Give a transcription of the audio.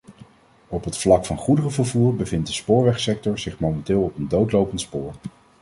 Op het vlak van goederenvervoer bevindt de spoorwegsector zich momenteel op een doodlopend spoor.